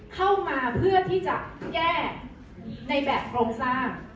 เพื่อที่จะแก้ในแบบโครงสร้าง